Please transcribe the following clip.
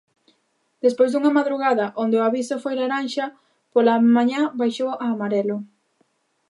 Despois dunha madrugada onde o aviso foi laranxa, pola mañá baixou a amarelo.